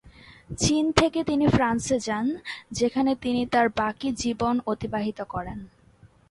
চীন থেকে তিনি ফ্রান্সে যান, যেখানে তিনি তার বাকি জীবন অতিবাহিত করেন।